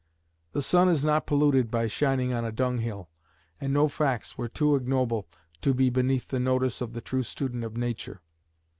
The sun is not polluted by shining on a dunghill, and no facts were too ignoble to be beneath the notice of the true student of nature.